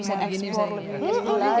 eh ini bisa begini misalnya